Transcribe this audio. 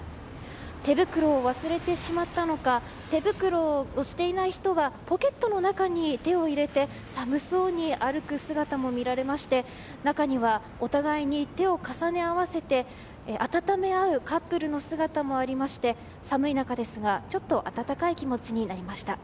手袋を忘れてしまったのか手袋をしていない人はポケットの中に手を入れて寒そうに歩く姿も見られまして中にはお互いに手を重ね合わせて温め合うカップルの姿もありまして寒い中ですが、ちょっと温かい気持ちになりました。